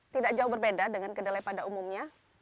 tidak jauh berbeda dengan kedelai pada umumnya